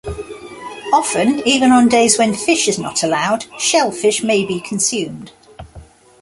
Often, even on days when fish is not allowed, shellfish may be consumed.